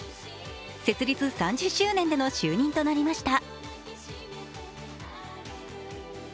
設立３０周年での就任となりました。